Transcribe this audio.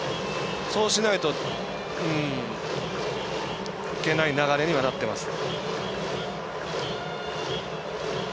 そうしないといけない流れにはなっています。